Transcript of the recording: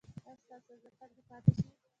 ایا ستاسو ملاتړ به پاتې شي؟